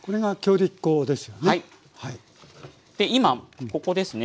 で今ここですね